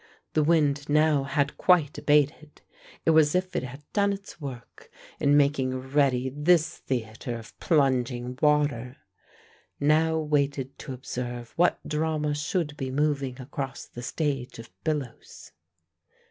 The wind now had quite abated; it was as if it had done its work, in making ready this theater of plunging water; now waited to observe what drama should be moving across the stage of billows.